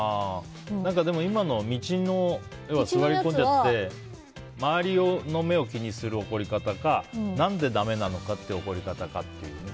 でも今の道に座り込んじゃって周りの目を気にする怒り方か何でだめなのかっていう怒り方っていう。